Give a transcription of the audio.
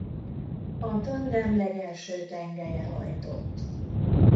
A tandem legelső tengelye hajtott.